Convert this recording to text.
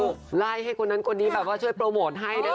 ไล่ให้คนนั้นคนนี้แบบว่าช่วยโปรโมทให้นะคะ